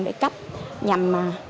để cách nhằm